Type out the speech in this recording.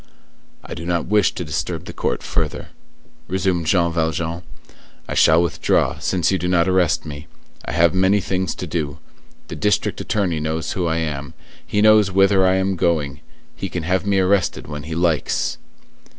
"I do not wish to disturb the court further," resumed Jean Valjean. "I shall withdraw, since you do not arrest me. I have many things to do. The district attorney knows who I am; he knows whither I am going; he can have me arrested when he likes."